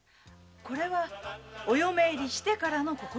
これはお嫁入りしてからの心がけです。